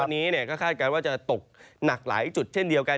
วันนี้ก็คาดการณ์ว่าจะตกหนักหลายจุดเช่นเดียวกัน